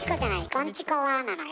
「こんチコは」なのよ。